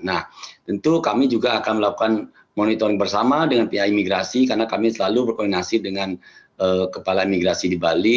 nah tentu kami juga akan melakukan monitoring bersama dengan pihak imigrasi karena kami selalu berkoordinasi dengan kepala imigrasi di bali